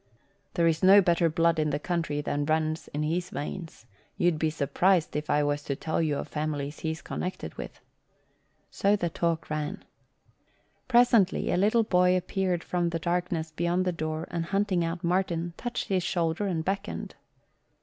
There is no better blood in the country than runs in his veins. You'd be surprised if I was to tell you of families he's connected with." So the talk ran. Presently a little boy appeared from the darkness beyond the door and hunting out Martin, touched his shoulder and beckoned.